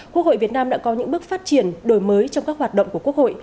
quốc hội việt nam đã có những bước phát triển đổi mới trong các hoạt động của quốc hội